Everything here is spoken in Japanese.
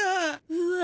うわ。